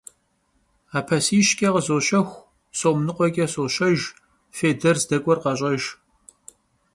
Apesişç'e khızoşexu, som nıkhueç'e soşejj — fêyder zdek'uer kheş'ejj!